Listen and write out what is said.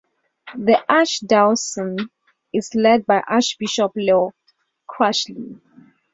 The archdiocese is led by Archbishop Leo Cushley.